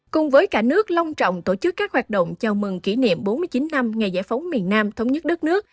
cùng với cả nước long trọng tổ chức các hoạt động chào mừng kỷ niệm bốn mươi chín năm ngày giải phóng miền nam thống nhất đất nước